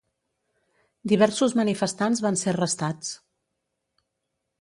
Diversos manifestants van ser arrestats.